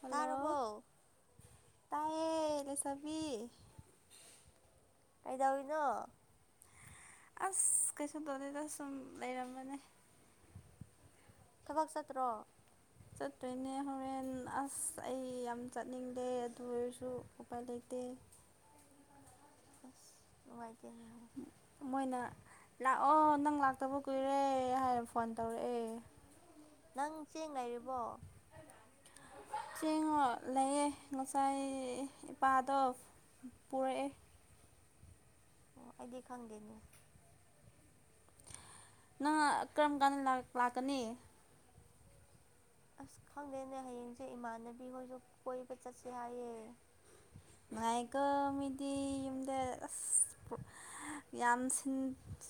Hello ꯇꯥꯔꯕꯣ ꯇꯥꯏꯌꯦ ꯂꯩꯁꯥꯕꯤ ꯀꯩꯗꯧꯔꯤꯅꯣ ꯑꯁ ꯀꯩꯁꯨ ꯇꯣꯗꯦꯗ ꯁꯨꯝ ꯂꯩꯔꯝꯕꯅꯦ ꯊꯕꯛ ꯆꯠꯇ꯭ꯔꯣ ꯆꯠꯇꯣꯏꯅꯦ ꯍꯣꯔꯦꯟ ꯑꯁ ꯑꯩ ꯌꯥꯝ ꯆꯠꯅꯤꯡꯗꯦ ꯑꯗꯨ ꯑꯣꯏꯔꯁꯨ ꯎꯄꯥꯏ ꯂꯩꯇꯦ ꯑꯁ ꯅꯨꯡꯉꯥꯏꯇꯦꯅꯦꯍꯦ ꯃꯣꯏꯅ ꯂꯥꯛꯑꯣ ꯅꯪ ꯂꯥꯛꯇꯕ ꯀꯨꯏꯔꯦ ꯍꯥꯏꯔ ꯐꯣꯟ ꯇꯧꯔꯛꯑꯦ ꯅꯪ ꯆꯦꯡ ꯂꯩꯔꯤꯕꯣ ꯆꯦꯡꯔꯣ ꯂꯩꯌꯦ ꯉꯁꯥꯏ ꯏꯄꯥꯗꯣ ꯄꯨꯔꯛꯑꯦ ꯑꯣ ꯑꯩꯗꯤ ꯈꯪꯗꯦꯅꯦ ꯅꯪ ꯀꯔꯝ ꯀꯥꯟꯗ ꯂꯥꯛ ꯂꯥꯛꯀꯅꯤ ꯑꯁ ꯈꯪꯗꯦꯅꯦ ꯍꯌꯦꯡꯁꯦ ꯏꯃꯥꯟꯅꯕꯤ ꯍꯣꯏꯁꯨ ꯀꯣꯏꯕ ꯆꯠꯁꯦ ꯍꯥꯏꯌꯦ ꯉꯥꯏꯀꯣ ꯃꯤꯗꯤ ꯌꯨꯝꯗ ꯌꯥꯝ ꯁꯤꯟ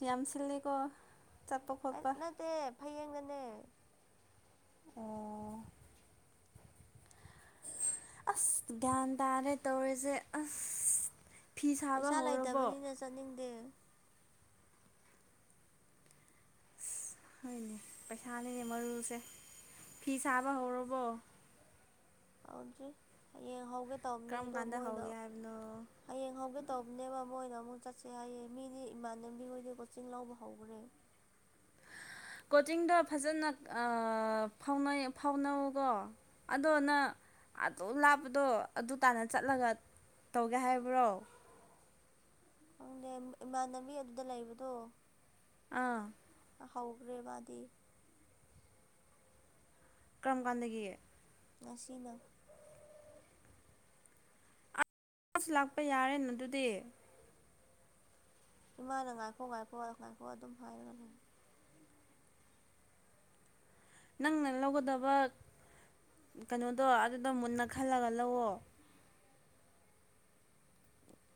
ꯌꯥꯝ ꯁꯤꯜꯂꯤꯀꯣ ꯆꯠꯄ ꯈꯣꯠꯄ ꯇꯦ ꯐꯌꯦꯡꯗꯅꯦ ꯑꯣ ꯑꯁ ꯒ꯭ꯌꯥꯟ ꯇꯥꯗꯦ ꯇꯧꯔꯤꯖꯦ ꯑꯁ ꯐꯤ ꯁꯥꯕ ꯄꯩꯁꯥ ꯍꯧꯔꯕꯣ ꯂꯩꯇꯕꯅꯤꯅ ꯆꯠꯅꯤꯡꯗꯦ ꯑꯁ ꯍꯣꯏꯅꯦ ꯄꯩꯁꯥꯅꯤꯅꯦ ꯃꯔꯨꯁꯦ ꯐꯤ ꯁꯥꯕ ꯍꯧꯔꯕꯣ ꯍꯧꯗ꯭ꯔꯤ ꯍꯌꯦꯡ ꯍꯧꯒꯦ ꯇꯧꯕꯅꯦ ꯀꯔꯝ ꯑꯗꯣ ꯀꯥꯟꯗ ꯃꯣꯏꯅ ꯍꯧꯒꯦ ꯍꯥꯏꯕꯅꯣ ꯍꯌꯦꯡ ꯍꯧꯒꯦ ꯇꯧꯕꯅꯦꯕ ꯃꯣꯏꯅ ꯑꯃꯨꯛ ꯆꯠꯁꯦ ꯍꯥꯏꯌꯦ ꯃꯤꯗꯤ ꯏꯃꯥꯟꯅꯕꯤ ꯍꯣꯏꯗꯤ ꯀꯣꯆꯤꯡ ꯂꯧꯕ ꯍꯧꯈꯔꯦ ꯀꯣꯆꯤꯡꯗꯣ ꯐꯖꯅ ꯑꯥ ꯐꯥꯎꯅꯩ ꯐꯥꯎꯅꯧꯀꯣ ꯑꯗꯣꯅꯥ ꯑꯗꯨ ꯂꯥꯞꯄꯗꯣ ꯑꯗꯨ ꯇꯥꯟꯅ ꯆꯠꯂꯒ ꯇꯧꯒꯦ ꯍꯥꯏꯕ꯭ꯔꯣ ꯈꯪꯗꯦ ꯏꯃꯥꯟꯅꯕꯤ ꯑꯗꯨꯗ ꯂꯩꯕꯗꯣ ꯑꯥ ꯑꯍꯧꯈꯔ꯭ꯦ ꯃꯥꯗꯤ ꯀꯔꯝ ꯀꯥꯟꯗꯒꯤ ꯉꯁꯤꯅ ꯑꯁ ꯂꯥꯛꯄ ꯌꯥꯔꯦꯅ ꯑꯗꯨꯗꯤ ꯏꯃꯥꯅ ꯉꯥꯏꯈꯣ ꯉꯥꯏꯈꯣ ꯉꯥꯏ ꯉꯥꯏꯈꯣ ꯑꯗꯨꯝ ꯍꯥꯏꯔꯒ ꯂꯩꯌꯦ ꯅꯪꯅ ꯂꯧꯒꯗꯕ ꯀꯩꯅꯣꯗꯣ ꯑꯗꯨꯗꯣ ꯃꯨꯟꯅ ꯈꯜꯂꯒ ꯂꯧꯑꯣ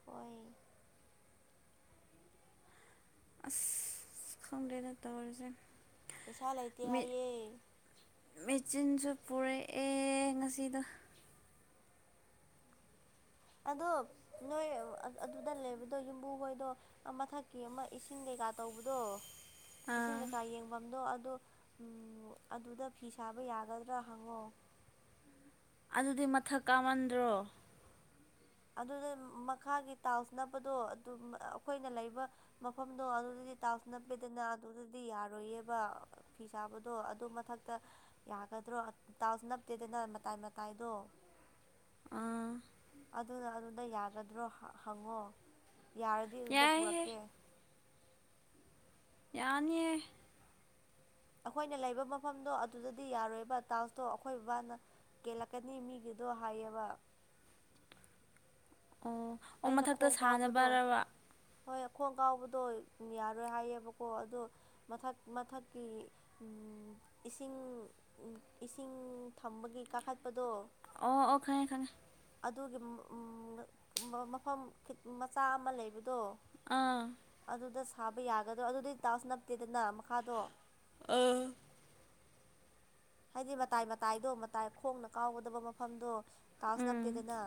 ꯍꯣꯏ ꯑꯁ ꯈꯪꯗꯔ꯭ꯦꯗ ꯇꯧꯔꯤꯖꯦ ꯄꯩꯁꯥ ꯂꯩꯇꯦ ꯍꯥꯏꯌꯦ ꯃꯦꯆꯤꯟꯁꯨ ꯄꯨꯔꯛꯑꯦ ꯉꯁꯤꯗꯣ ꯑꯗꯣ ꯅꯣꯏ ꯑꯗꯨꯗ ꯂꯩꯕꯗꯣ ꯌꯨꯝꯕꯨ ꯍꯣꯏꯗꯣ ꯑꯃꯊꯛꯀꯤ ꯑꯃ ꯏꯁꯤꯡ ꯀꯩꯀꯥ ꯇꯧꯕꯗꯣ ꯏꯁꯤꯡ ꯑꯥ ꯀꯩꯀꯥ ꯌꯦꯡꯐꯝꯗꯣ ꯑꯗꯣ ꯑꯗꯨꯗ ꯐꯤ ꯁꯥꯕ ꯌꯥꯒꯗ꯭ꯔꯥ ꯍꯪꯉꯣ ꯑꯗꯨꯗꯤ ꯃꯊꯛ ꯀꯥꯞꯃꯟꯗ꯭ꯔꯣ ꯑꯗꯨꯗ ꯃꯈꯥꯒꯤ ꯇꯥꯜꯁ ꯅꯞꯄꯗꯣ ꯑꯗꯨꯝ ꯑꯩꯈꯣꯏꯅ ꯂꯩꯕ ꯃꯐꯝꯗꯣ ꯑꯗꯨꯗꯗꯤ ꯇꯥꯎꯁ ꯅꯞꯄꯦꯗꯅ ꯑꯗꯨꯗꯗꯤ ꯌꯥꯔꯣꯏꯌꯦꯕ ꯐꯤ ꯁꯥꯕꯗꯣ ꯑꯗꯨ ꯃꯊꯛꯇ ꯌꯥꯒꯗ꯭ꯔꯣ ꯇꯥꯎꯁ ꯅꯞꯇꯦꯗꯅ ꯃꯇꯥꯏ ꯃꯇꯥꯏꯗꯣ ꯎꯝ ꯑꯗꯨꯅ ꯑꯗꯨꯗ ꯌꯥꯒꯗ꯭ꯔꯣ ꯍꯪꯉꯣ ꯌꯥꯔꯗꯤ ꯑꯗꯨꯗ ꯌꯥꯏꯍꯦ ꯄꯨꯔꯛꯀꯦ ꯌꯥꯅꯤꯑꯦ ꯑꯩꯈꯣꯏꯅ ꯂꯩꯕ ꯃꯐꯝꯗꯣ ꯑꯗꯨꯗꯗꯤ ꯌꯥꯔꯣꯏꯕ ꯇꯥꯎꯁꯇꯣ ꯑꯩꯈꯣꯏ ꯕꯕꯥꯅ ꯀꯦꯜꯂꯛꯀꯅꯤ ꯃꯤꯒꯤꯗꯣ ꯍꯥꯏꯌꯦꯕ ꯑꯣ ꯑꯣ ꯑꯩꯅ ꯃꯊꯛꯇ ꯈꯣꯡ ꯀꯥꯎꯕꯗꯣ ꯁꯥꯟꯅꯕꯔꯕ ꯍꯣꯏ ꯈꯣꯡ ꯀꯥꯎꯕꯗꯣ ꯌꯥꯔꯣꯏ ꯍꯥꯏꯌꯦꯕꯀꯣ ꯑꯗꯣ ꯃꯊꯛ ꯃꯊꯛꯀꯤ ꯏꯁꯤꯡ ꯏꯁꯤꯡ ꯊꯝꯕꯒꯤ ꯀꯥꯈꯠꯄꯗꯣ ꯑꯣ ꯑꯣ ꯈꯥꯉꯦ ꯈꯥꯉꯦ ꯑꯗꯨꯒꯤ ꯃꯐꯝꯈꯤ ꯃꯆꯥ ꯑꯃ ꯂꯩꯕꯗꯣ ꯑꯥ ꯑꯗꯨꯗ ꯁꯥꯕ ꯌꯥꯒꯗ꯭ꯔꯣ ꯑꯗꯨꯗꯤ ꯇꯥꯎꯁ ꯅꯞꯇꯦꯗꯅ ꯃꯈꯥꯗꯣ ꯑꯥ ꯍꯥꯏꯗꯤ ꯃꯇꯥꯏ ꯃꯇꯥꯏꯗꯣ ꯃꯇꯥꯏ ꯈꯣꯡꯅ ꯀꯥꯎꯒꯗꯕ ꯃꯐꯝꯗꯣ ꯇꯥꯎꯁ ꯎꯝ ꯅꯞꯇꯦꯗꯅ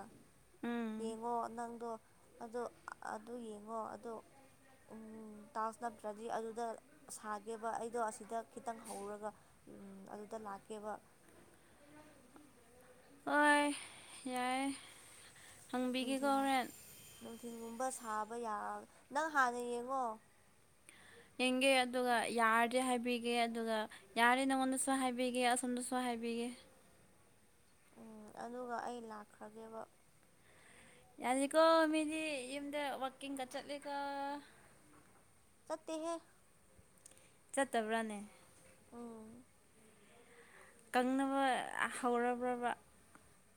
ꯎꯝ ꯌꯦꯡꯉꯣ ꯅꯪꯗꯣ ꯑꯗꯣ ꯑꯗꯨ ꯌꯦꯡꯉꯣ ꯑꯗꯣ ꯎꯝ ꯇꯥꯎꯁ ꯅꯠꯇ꯭ꯔꯗꯤ ꯑꯗꯨꯗ ꯁꯥꯒꯦꯕ ꯑꯩꯗꯣ ꯑꯁꯤꯗ ꯈꯤꯇꯪ ꯍꯧꯔꯒ ꯎꯝ ꯑꯗꯨꯗ ꯂꯥꯛꯀꯦꯕ ꯍꯣꯏ ꯌꯥꯏꯌꯦ ꯍꯪꯕꯤꯒꯦꯀꯣ ꯅꯨꯡꯊꯤꯟ ꯍꯣꯔꯦꯟ ꯅꯨꯡꯊꯤꯟꯒꯨꯝꯕ ꯁꯥꯕ ꯌꯥ ꯅꯪ ꯍꯥꯟꯅ ꯌꯦꯡꯉꯣ ꯌꯦꯡꯒꯦ ꯑꯗꯨꯒ ꯌꯥꯔꯗꯤ ꯍꯥꯏꯕꯤꯒꯦ ꯑꯗꯨꯒ ꯌꯥꯔꯦ ꯅꯉꯣꯟꯗꯁꯨ ꯍꯥꯏꯕꯤꯒꯦ ꯑꯁꯣꯝꯗꯁꯨ ꯍꯥꯏꯕꯤꯒꯦ ꯎꯝ ꯑꯗꯨꯒ ꯑꯩ ꯂꯥꯛꯈ꯭ꯔꯒꯦꯕ ꯌꯥꯗꯦꯀꯣ ꯃꯤꯗꯤ ꯌꯨꯝꯗ ꯋꯥꯔꯀꯤꯡꯒ ꯆꯠꯂꯤꯀꯣ ꯆꯠꯇꯦꯍꯦ ꯆꯠꯇꯕ꯭ꯔꯥꯅꯦ ꯑꯣ ꯀꯪꯅꯕ ꯍꯧꯔꯕ꯭ꯔꯕ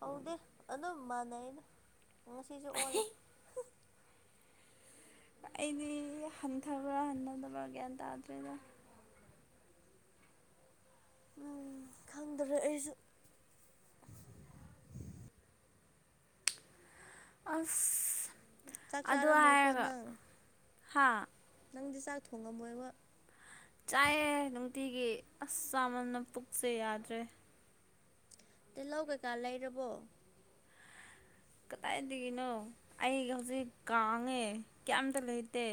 ꯍꯧꯗꯦ ꯑꯗꯨꯝ ꯃꯥꯟꯅꯩꯩꯗ ꯉꯁꯤꯁꯨ ꯑꯣꯜꯂꯦ ꯑꯩꯗꯤ ꯍꯟꯊꯕ꯭ꯔꯥ ꯍꯟꯊꯗꯕ꯭ꯔꯥ ꯒ꯭ꯌꯥꯟ ꯇꯥꯗ꯭ꯔꯦꯗ ꯎꯝ ꯈꯪꯗ꯭ꯔꯦ ꯑꯩꯁꯨ ꯑꯁ ꯆꯥꯛ ꯑꯗꯨ ꯆꯥꯔꯝꯃꯣꯏꯀꯣ ꯍꯥꯏꯔꯒ ꯅꯪ ꯍꯥꯥ ꯅꯪꯗꯤ ꯆꯥꯛ ꯊꯣꯡꯉꯝꯃꯣꯏꯕ ꯆꯥꯏꯑ ꯅꯨꯡꯇꯤꯒꯤ ꯑꯁ ꯆꯥꯃꯝꯅ ꯄꯨꯛꯁꯦ ꯌꯥꯗ꯭ꯔꯦ ꯇꯤꯜꯍꯧ ꯀꯩꯀꯥ ꯂꯩꯔꯕꯣ ꯀꯗꯥꯏꯗꯒꯤꯅꯣ ꯑꯩ ꯍꯧꯖꯤꯛ ꯀꯥꯡꯉꯦ ꯀꯌꯥꯝꯇ ꯂꯩꯇꯦ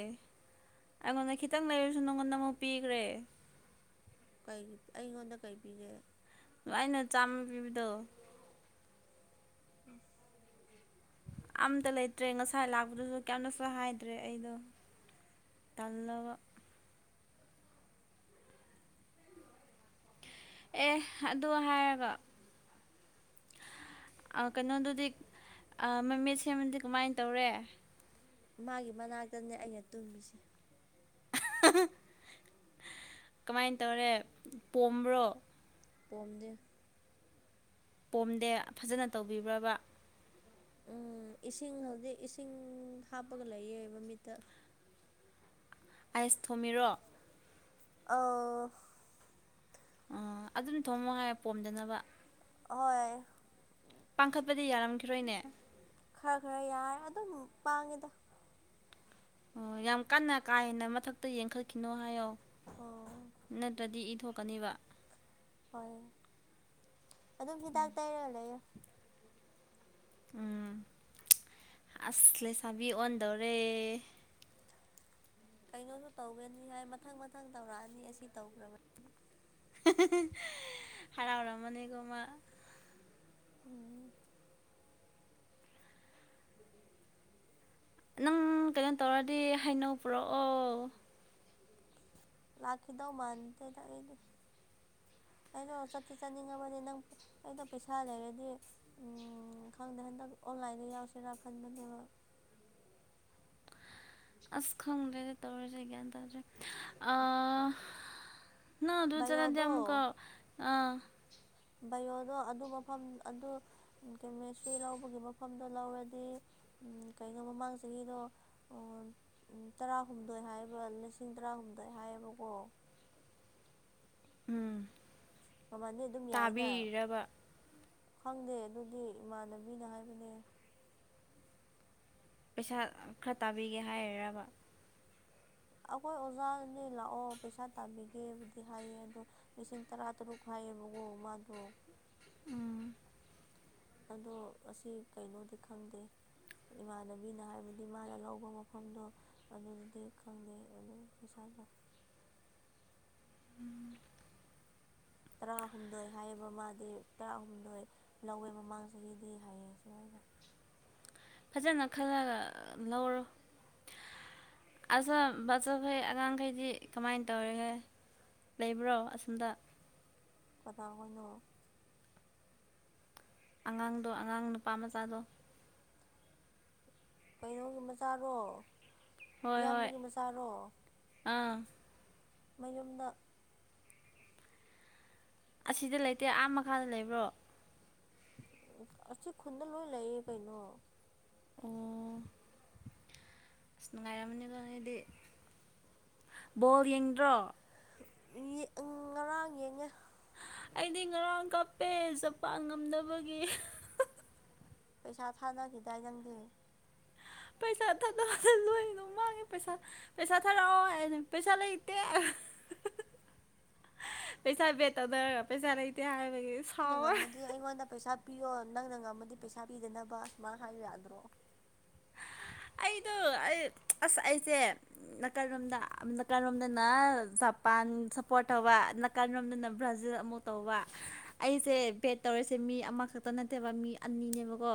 ꯑꯩꯉꯣꯟꯗ ꯈꯤꯇꯪ ꯂꯩꯔꯁꯨ ꯅꯪꯉꯣꯟꯗ ꯑꯃꯨꯛ ꯄꯤꯈ꯭ꯔꯦ ꯀꯩ ꯑꯩꯉꯣꯟꯗ ꯀꯩ ꯄꯤꯒꯦ ꯑꯩꯅ ꯆꯥꯝꯃ ꯄꯤꯕꯗꯣ ꯎꯝ ꯑꯝꯇ ꯂꯩꯇ꯭ꯔꯦ ꯉꯁꯥꯏ ꯂꯥꯛꯄꯗꯨꯁꯨ ꯀꯌꯥꯝꯅꯁꯨ ꯍꯥꯏꯗ꯭ꯔꯦ ꯑꯩꯗꯣ ꯇꯜꯂꯕ ꯑꯦ ꯑꯗꯨ ꯍꯥꯏꯔꯒ ꯑꯥ ꯀꯩꯅꯣꯗꯨꯗꯤ ꯑꯥ ꯃꯃꯤꯠ ꯁꯦꯝꯕꯗꯤ ꯀꯃꯥꯏ ꯇꯧꯔꯦ ꯃꯥꯒꯤ ꯃꯅꯥꯛꯇꯅꯦ ꯑꯩꯅ ꯇꯨꯝꯃꯤꯁꯦ ꯀꯃꯥꯏꯅ ꯇꯧꯔꯦ ꯄꯣꯝꯕ꯭ꯔꯣ ꯄꫭꯝꯗꯦ ꯄꯣꯝꯗꯦ ꯐꯖꯅ ꯇꯧꯕꯤꯕ꯭ꯔꯕ ꯎꯝ ꯏꯁꯤꯡ ꯍꯧꯖꯤꯛ ꯏꯁꯤꯡ ꯍꯥꯞꯄꯒ ꯂꯩꯌꯦ ꯃꯤꯠꯇ ꯑꯥꯏꯁ ꯊꯣꯝꯃꯤꯔꯣ ꯑꯧ ꯑꯣ ꯑꯗꯨꯝ ꯊꯣꯡꯃꯣ ꯍꯥꯏ ꯄꯣꯝꯗꯅꯕ ꯑꯍꯣꯢ ꯄꯥꯡꯈꯠꯄꯗꯤ ꯌꯥꯔꯝꯈꯤ ꯔꯣꯏꯅꯦ ꯈꯔ ꯈꯔ ꯌꯥꯏ ꯑꯗꯨꯝ ꯄꯥꯡꯉꯦꯗ ꯑꯣ ꯌꯥꯝ ꯀꯟꯅ ꯀꯥ ꯍꯦꯟꯅ ꯃꯊꯛꯇ ꯌꯦꯡꯈꯠꯈꯤꯅꯣ ꯍꯥꯏꯌꯣ ꯍꯣ ꯅꯠꯇ꯭ꯔꯗꯤ ꯏ ꯊꯣꯛꯀꯅꯦꯕ ꯍꯣꯏ ꯑꯗꯨꯝ ꯍꯤꯗꯥꯛ ꯇꯩꯔꯒ ꯂꯩꯌꯦ ꯎꯝ ꯑꯁ ꯂꯩꯁꯥꯕꯤ ꯑꯣꯟꯗꯧꯔꯦ ꯀꯩꯅꯣꯗꯨ ꯇꯧꯒꯅꯤ ꯍꯥꯏ ꯃꯊꯪ ꯃꯊꯪ ꯇꯧꯔꯛꯑꯅꯤ ꯑꯁꯤ ꯇꯧꯈ꯭ꯔꯕꯟ ꯍꯔꯥꯎ ꯔꯝꯃꯅꯤꯀꯣ ꯃꯥ ꯎꯝ ꯅꯪ ꯀꯩꯅꯣ ꯇꯧꯔꯗꯤ ꯍꯩꯅꯧ ꯄꯨꯔꯛꯑꯣ ꯂꯥꯛꯈꯤꯗꯧ ꯃꯥꯅꯗꯦꯗ ꯑꯩꯗꯤ ꯑꯗꯣ ꯆꯠꯇꯤ ꯆꯠꯅꯤꯡꯉꯕꯅꯤ ꯅꯪ ꯑꯩꯅ ꯄꯩꯁꯥ ꯂꯩꯔꯗꯤ ꯎꯝ ꯈꯪꯗꯦ ꯍꯟꯗꯛ ꯑꯣꯟꯂꯥꯏꯟꯗ ꯌꯥꯎꯁꯤꯔꯥ ꯈꯟꯕꯅꯦꯕ ꯑꯁ ꯈꯪꯗꯦꯗ ꯇꯧꯔꯤꯁꯤ ꯒꯌ꯭ꯥꯟ ꯇꯥꯗꯦ ꯑꯥ ꯅꯥ ꯑ ꯆꯔꯗꯤ ꯕꯥꯏꯌꯣꯗꯣ ꯑꯃꯨꯀ ꯑ ꯕꯥꯏꯑꯣꯗꯣ ꯑꯗꯨ ꯃꯐꯝ ꯑꯗꯨ ꯀꯦꯃꯦꯁꯇ꯭ꯔꯤ ꯂꯧꯕꯒꯤ ꯃꯐꯝꯗꯣ ꯂꯧꯔꯗꯤ ꯎ ꯀꯩꯅꯣ ꯃꯃꯥꯡ ꯆꯍꯤꯗꯣ ꯇꯔꯥꯍꯨꯝꯗꯣꯏ ꯍꯥꯏꯕ ꯂꯤꯁꯤꯡ ꯇꯔꯥꯍꯨꯝꯗꯣꯏ ꯍꯥꯏꯌꯦꯕꯀꯣ ꯎꯝ ꯃꯃꯜꯗꯤ ꯑꯗꯨꯝ ꯌꯥꯏꯅ ꯇꯥꯕꯤꯔꯤꯔꯕ ꯈꯪꯗꯦ ꯑꯗꯨꯗꯤ ꯏꯃꯥꯟꯅꯕꯤꯅ ꯍꯥꯏꯕꯅꯦ ꯄꯩꯁꯥ ꯈꯔ ꯇꯥꯕꯤꯒꯦ ꯍꯥꯏꯔꯔꯕ ꯑꯩꯈꯣꯏ ꯑꯣꯖꯥꯅꯦ ꯂꯥꯛꯑꯣ ꯄꯩꯁꯥ ꯇꯥꯕꯤꯒꯦꯕꯨꯗꯤ ꯍꯥꯏꯌꯦ ꯑꯗꯣ ꯂꯤꯁꯤꯡ ꯇꯔꯥ ꯇꯔꯨꯛ ꯍꯥꯏꯌꯦꯕꯀꯣ ꯃꯥꯗꯣ ꯑꯗꯣ ꯑꯁꯤ ꯀꯩꯅꯣꯗꯤ ꯈꯪꯗꯦ ꯏꯃꯥꯟꯅꯕꯤꯅ ꯍꯥꯏꯕꯗꯤ ꯃꯥꯅ ꯂꯧꯕ ꯃꯐꯝꯗꯣ ꯑꯗꯨꯗꯗꯤ ꯈꯪꯗꯦ ꯑꯗꯨꯝ ꯄꯩꯁꯥꯗꯣ [inaudible] ꯇꯔꯥꯍꯨꯝꯗꯣꯏ ꯍꯥꯏꯌꯦꯕ ꯃꯥꯗꯤ ꯇꯔꯥꯍꯨꯝꯗꯣꯏ ꯂꯧꯋꯦ ꯃꯃꯥꯡ ꯆꯍꯤꯗꯤ ꯍꯥꯏꯌꯦ ꯁꯨꯃꯥꯏꯅ ꯐꯖꯅ ꯈꯜꯂꯒ ꯂꯧꯔꯣ [unintelligible] ꯑꯉꯥꯡꯈꯩꯗꯤ ꯀꯃꯥꯏꯅ ꯇꯧꯔꯤꯍꯦ ꯂꯩꯕ꯭ꯔꯣ ꯑꯁꯣꯝꯗ ꯄꯇꯥ ꯍꯣꯏꯅꯣ ꯑꯉꯥꯡꯗꯣ ꯑꯉꯥꯡ ꯅꯨꯄꯥ ꯃꯆꯥꯗꯣ ꯀꯩꯅꯣꯒꯤ ꯃꯆꯥꯔꯣ ꯍꯣꯏ ꯍꯣꯏ ꯏꯌꯥꯝꯕꯒꯤ ꯃꯆꯥꯔꯣ ꯑꯥ ꯃꯌꯨꯝꯗ ꯑꯁꯤꯗ ꯂꯩꯇꯦ ꯑꯥ ꯃꯈꯥꯗ ꯂꯩꯕ꯭ꯔꯣ ꯎ ꯑꯁꯤ ꯈꯨꯟꯗ ꯂꯣꯏ ꯂꯩꯌꯦ ꯀꯩꯅꯣ ꯑꯣ ꯑꯁ ꯅꯨꯡꯉꯥꯏꯔꯝꯃꯅꯤꯗ ꯅꫭꯏꯗꯤ ꯕꯣꯜ ꯌꯦꯡꯗ꯭ꯔꯣ ꯉꯔꯥꯡ ꯌꯦꯡꯉꯦ ꯑꯩꯗꯤ ꯉꯔꯥꯡ ꯀꯞꯄꯦ ꯖꯄꯥꯟ ꯉꯝꯗꯕꯒꯤ ꯄꯩꯁꯥ ꯊꯥꯅꯥꯈꯤꯗꯥꯏ ꯅꯪꯗꯤ ꯄꯩꯁꯥ ꯊꯥꯗ ꯂꯣꯏꯅꯃꯛ ꯃꯥꯡꯉꯦ ꯄꯩꯁꯥ ꯄꯦꯁꯥ ꯊꯥꯔꯑꯣ ꯍꯥꯏꯅꯦ ꯄꯩꯁꯥ ꯂꯩꯇꯦ [inaudible] ꯄꯩꯁꯥ ꯕꯦꯠ ꯇꯧꯅꯔꯒ ꯄꯩꯁꯥ ꯂꯩꯇꯦ ꯍꯥꯏꯕꯒꯤ ꯑꯩꯅ ꯁꯥꯎꯋꯦ ꯉꯝꯃꯗꯤ ꯑꯩꯉꯣꯟꯗ ꯄꯩꯁꯥ ꯄꯤꯌꯣ ꯅꯪꯅ ꯉꯝꯃꯗꯤ ꯄꯩꯁꯥ ꯄꯤꯗꯅꯕ ꯑꯨꯃꯥꯏꯅ ꯍꯥꯏꯔꯛꯑꯗ꯭ꯔꯣ ꯑꯩꯗꯣ ꯑꯩ ꯑꯁ ꯑꯩꯁꯦ ꯅꯥꯀꯜꯔꯣꯝꯗ ꯅꯥꯀꯜꯔꯣꯝꯗꯅ ꯖꯄꯥꯟ ꯁꯞꯄꯣꯔꯠ ꯇꯧꯕ ꯅꯥꯀꯜꯔꯣꯝꯗꯅ ꯕ꯭ꯔꯥꯖꯤꯜ ꯑꯃꯨꯠ ꯇꯧꯕ ꯑꯩꯁꯦ ꯕꯦꯠ ꯇꯧꯔꯤꯁꯦ ꯃꯤ ꯑꯃꯈꯛꯇ ꯅꯠꯇꯦꯕ ꯃꯤ ꯑꯅꯤꯅꯦꯕꯀꯣ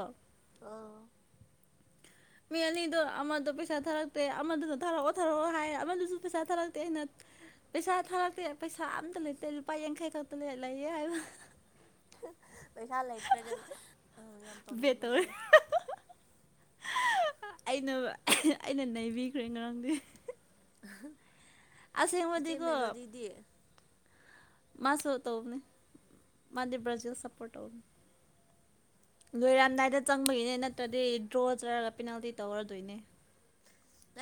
ꯑꯥ ꯃꯤ ꯑꯅꯤꯗꯣ ꯑꯃꯗꯣ ꯄꯩꯁꯥ ꯊꯥꯔꯛꯇꯦ ꯑꯃꯗꯨꯁꯨ ꯊꯥꯔꯛꯑꯣ ꯊꯥꯔꯛꯑꯣ ꯍꯥꯏ ꯑꯃꯗꯨꯁꯨ ꯄꯩꯁꯥ ꯊꯥꯔꯛꯇꯦ ꯑꯩꯅ ꯄꯩꯁꯥ ꯊꯥꯔꯛꯇꯦ ꯄꯩꯁꯥ ꯑꯝꯇ ꯂꯩꯇꯦ ꯂꯨꯄꯥ ꯌꯥꯡꯈꯩ ꯈꯛꯇ ꯂꯩꯌꯦ ꯍꯥꯏꯕ ꯄꯩꯁꯥ ꯂꯩꯇ꯭ꯔꯒ ꯌꯥꯝ ꯕꯦꯇ ꯇꯧꯅꯤꯡꯕꯗꯣ ꯇꯧꯔꯦ ꯑꯩꯅ ꯑꯩꯅ ꯅꯩꯕꯤꯈ꯭ꯔꯦ ꯉꯔꯥꯡꯗꯤ ꯏꯆꯦ ꯑꯁꯦꯡꯕꯗꯤꯀꯣ ꯃꯦꯂꯣꯗꯤꯗꯤ ꯃꯥꯁꯨ ꯇꯧꯕꯅꯤ ꯃꯥꯗꯤ ꯕ꯭ꯔꯖꯤꯜ ꯁꯄꯣꯔꯠ ꯇꯧꯕꯅꯤ ꯂꯣꯏꯔꯝꯗꯥꯏꯗ ꯆꯪꯕꯒꯤꯅꯦ ꯅꯠꯇ꯭ꯔꯗꯤ ꯗ꯭ꯔꯣ ꯆꯠꯂꯒ ꯄꯦꯅꯥꯜꯇꯤ ꯇꯧꯔꯗꯣꯏꯅꯦ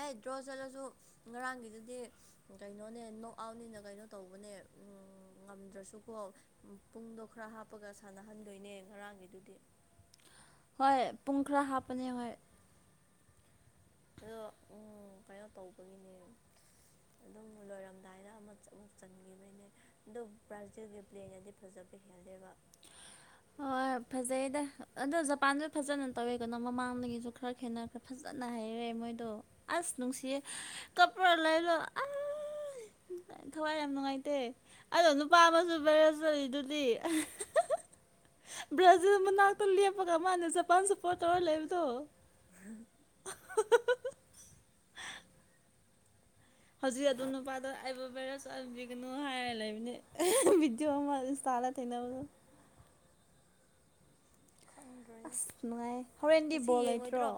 ꯑꯥꯏ ꯗ꯭ꯔꯣ ꯆꯠꯂꯁꯨ ꯉꯔꯥꯡꯒꯤꯗꯨꯗꯤ ꯀꯩꯅꯣꯅꯦ ꯅꯣꯛ ꯑꯥꯎꯠꯅꯤꯅ ꯀꯩꯅꯣ ꯇꯧꯕꯅꯦ ꯎꯝ ꯉꯝꯗ꯭ꯔꯁꯨꯀꯣ꯫ ꯎꯝ ꯄꯨꯡꯗꯣ ꯈꯔ ꯍꯥꯞꯄꯒ ꯁꯥꯟꯅꯍꯟꯗꯣꯏꯅꯦ ꯉꯔꯥꯡꯒꯤꯗꯨꯗꯤ꯫ ꯍꯣꯏ ꯄꯨꯡ ꯈꯔ ꯍꯥꯞꯄꯅꯦ ꯍꯣꯏ꯫ ꯑꯗꯣ ꯎꯝ ꯀꯩꯅꯣ ꯇꯧꯕꯒꯤꯅꯦ꯫ ꯑꯗꯨꯝ ꯂꯣꯏꯔꯝꯗꯥꯏꯗ ꯑꯃ ꯑꯃꯨꯛ ꯆꯟꯒꯤꯕꯩꯅꯦ꯫ ꯑꯗꯨ ꯕ꯭ꯔꯥꯖꯤꯜꯒꯤ ꯄ꯭ꯂꯦꯅꯗꯤ ꯐꯖꯕ ꯍꯦꯜꯂꯦꯕ꯫ ꯍꯣꯏ ꯐꯖꯩꯗ꯫ ꯑꯗꯣ ꯖꯄꯥꯟꯗ ꯐꯖꯅ ꯇꯧꯋꯦ ꯀꯅ ꯃꯃꯥꯡꯗꯒꯤꯁꯨ ꯈꯔ ꯈꯦꯠꯅ ꯈ꯭ꯔꯦ ꯐꯖꯅ ꯍꯩꯔꯦ ꯃꯣꯏꯗꯣ꯫ ꯑꯁ ꯅꯨꯡꯁꯤꯌꯦ ꯀꯄꯔ ꯂꯩꯔꯒ ꯑꯥꯏ ꯊꯋꯥꯏ ꯌꯥꯝ ꯅꯨꯡꯉꯥꯏꯇꯦ ꯑꯗꯣ ꯅꯨꯄꯥ ꯑꯃꯁꯨ ꯕꯥꯏꯔꯦꯜ ꯆꯠꯂꯤꯗꯨꯗꯤ꯫ ꯕ꯭ꯔꯥꯖꯤꯜ ꯃꯅꯥꯛꯇ ꯂꯦꯞꯄꯒ ꯃꯥꯥꯟꯂꯦ ꯖꯄꯥꯟ ꯁꯄꯣꯔꯠ ꯇꯧꯔ ꯂꯩꯕꯗꯣ꯫ [unintelligible] ꯍꯧꯖꯤꯛ ꯑꯗꯨ ꯅꯨꯄꯥꯗꯣ ꯑꯩꯕꯨ ꯚꯥꯏꯔꯦꯜ ꯆꯠꯍꯟꯕꯤꯒꯅꯨ ꯍꯥꯏꯔ ꯂꯩꯕꯅꯤ ꯚꯤꯗꯤꯑꯣ ꯑꯃ ꯏꯟꯁꯇꯥꯗ ꯊꫠꯡꯅꯕꯗꯨ ꯑꯁ ꯈꯪꯗ꯭ꯔꯦꯗ ꯅꯨꯡꯉꯥꯏ ꯍꯣꯔꯦꯟꯗꯤ ꯉꯁꯤ ꯕꯣꯜ ꯂꯩꯇ꯭ꯔꯣ ꯌꯦꯡꯉꯣꯏꯗ꯭ꯔꯣ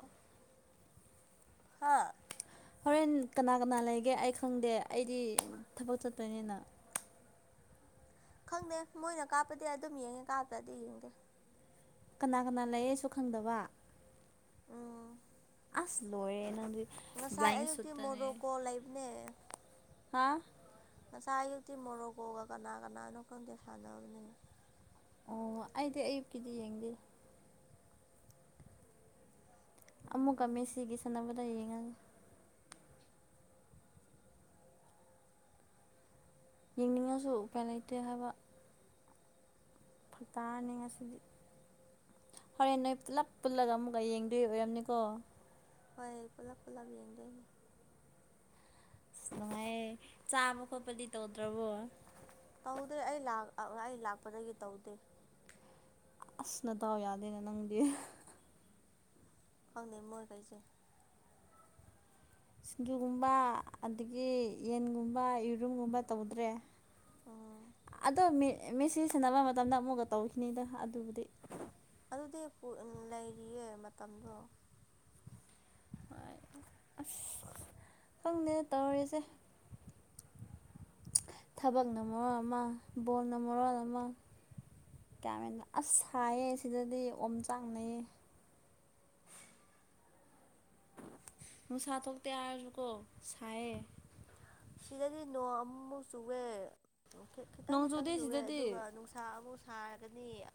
ꯍꯥ ꯍꯣꯔꯦꯟ ꯀꯅꯥ ꯀꯅꯥ ꯂꯩꯒꯦ ꯑꯩ ꯈꯪꯗꯦ ꯑꯩꯗꯤ ꯊꯕꯛ ꯆꯠꯇꯣꯏꯅꯤꯅ꯫ ꯈꯪꯗꯦ ꯃꯣꯏꯅ ꯀꯥꯞꯄꯗꯤ ꯑꯗꯨꯝ ꯌꯦꯡꯉꯦ ꯀꯥꯞꯇꯔ꯭ꯗꯤ ꯌꯦꯡꯗꯦ꯫ ꯀꯅꯥ ꯀꯅꯥ ꯂꯩꯌꯦꯁꯨ ꯈꯪꯗꯕ꯫ ꯎꯝ ꯑꯁ ꯂꯣꯏꯔꯦ ꯅꯡꯗꯤ ꯉꯁꯥꯏ ꯑꯌꯨꯛꯇꯤ ꯃꯣꯔꯣꯀꯣ ꯂꯩꯕꯅꯦ꯫ ꯍꯥꯥ ꯉꯁꯥꯏ ꯑꯌꯨꯛꯇꯤ ꯃꯣꯔꯣꯀꯣꯒ ꯀꯅꯥ ꯀꯅꯥꯅꯣ ꯈꯪꯗꯦ ꯁꯥꯟꯅꯕꯅꯦ꯫ ꯑꯣ ꯑꯩꯗꯤ ꯑꯌꯨꯛꯀꯤꯗꯤ ꯌꯦꯡꯗꯦ ꯑꯃꯨꯛꯀ ꯎꯝ ꯃꯦꯁꯤꯒꯤ ꯁꯥꯟꯅꯕꯗ ꯌꯦꯡꯉꯒꯦ ꯌꯦꯡꯅꯤꯡꯉꯁꯨ ꯎꯄꯥꯏ ꯂꯩꯇꯦ ꯍꯥꯏꯕ꯫ ꯐꯔꯛ ꯇꯥꯔꯅꯤ ꯉꯁꯤꯗꯤ ꯍꯣꯔꯦꯟ ꯅꯣꯏ ꯄꯨꯂꯞ ꯄꯨꯜꯂꯒ ꯑꯃꯨꯛꯀ ꯌꯦꯡꯗꯣꯏ ꯑꯣꯏꯔꯝꯅꯤꯀꯣ꯫ ꯍꯣꯏ ꯄꯨꯂꯞ ꯄꯨꯂꯞ ꯌꯦꯡꯗꯣꯏꯅꯦ꯫ ꯑꯁ ꯅꯨꯡꯉꯥꯏꯌꯦ ꯆꯥꯕ ꯈꯣꯠꯄꯗꯤ ꯇꯧꯗ꯭ꯔꯕꯣ꯫ ꯇꯧꯗꯦ ꯑꯩ ꯂꯥꯛ ꯑꯩ ꯂꯥꯛꯄꯗꯒꯤ ꯇꯧꯗꯦ꯫ ꯑꯁ ꯅꯗꯥꯎ ꯌꯥꯗꯦꯅ ꯅꯪꯗꯤ꯫ ꯈꯪꯗꯦ ꯃꯣꯏꯈꯩꯁꯦ꯫ ꯁꯤꯡꯖꯨꯒꯨꯝꯕ ꯑꯗꯒꯤ ꯌꯦꯟꯒꯨꯝꯕ ꯌꯦꯔꯨꯝꯒꯨꯝꯕ ꯇꯧꯗ꯭ꯔꯦ꯫ ꯎꯝ ꯑꯗꯣ ꯃꯦ ꯃꯦꯁꯤ ꯁꯥꯟꯅꯕ ꯃꯇꯝꯗ ꯑꯃꯨꯛꯀ ꯇꯧꯈꯤꯅꯤꯗ ꯑꯗꯨꯕꯨꯗꯤ꯫ ꯑꯗꯨꯗꯤ ꯄꯨ ꯂꯩꯔꯤꯌꯦ ꯃꯇꯝꯗꯣ꯫ ꯍꯣꯏ ꯑꯁ ꯈꯪꯗꯦ ꯇꯧꯔꯤꯖꯦ ꯊꯕꯛꯅ ꯃꯔꯣ ꯑꯃ ꯕꯣꯜꯅ ꯃꯔꯣꯜ ꯑꯃ꯫ ꯒꯌ꯭ꯥꯟ ꯃꯦꯟ ꯑꯁ ꯁꯥꯏꯌꯦ ꯁꯤꯗꯗꯤ ꯑꯣꯝ ꯆꯥꯛꯅꯩꯌꯦ꯫ ꯅꯨꯡꯁꯥ ꯊꯣꯛꯇꯦ ꯍꯥꯏꯔꯖꯨꯀꯣ ꯁꯥꯏꯌꯦ꯫ ꯁꯤꯗꯗꯤ ꯅꯣꯡ ꯑꯃꯨꯃꯨꯛ ꯆꯨꯋꯦ ꯈꯤꯇꯪ ꯅꯣꯡ ꯈꯤꯇꯪ ꯆꯨꯗꯦ ꯆꯨꯋꯦ ꯁꯤꯗꯗꯤ ꯑꯗꯨꯒ ꯅꯨꯡꯁ ꯁꯥ ꯑꯃꯨꯛ ꯁꯥꯔꯒꯅꯤ